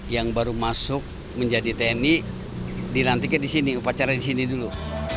yang baru masuk menjadi tni dilantiknya di sini upacara di sini dulu